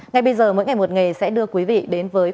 ngay bây giờ mỗi ngày một nghề sẽ đưa quý vị đến với